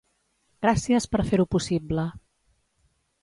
Gràcies per fer-ho possible.